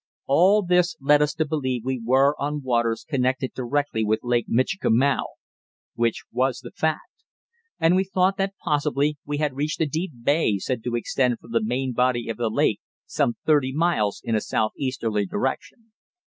All this led us to believe we were on waters connected directly with Lake Michikamau (which was the fact), and we thought that possibly we had reached a deep bay said to extend from the main body of the lake some thirty miles in a southeasterly direction.